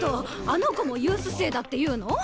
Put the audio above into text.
あの子もユース生だっていうの？